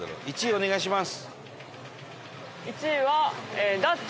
お願いします。